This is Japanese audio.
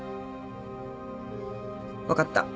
分かった。